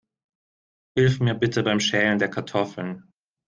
Hilf mir bitte beim Schälen der Kartoffeln.